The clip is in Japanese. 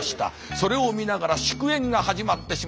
それを見ながら祝宴が始まってしまった。